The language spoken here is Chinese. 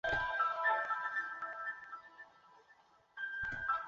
摩尔斯布里奇是位于美国阿拉巴马州塔斯卡卢萨县的一个非建制地区。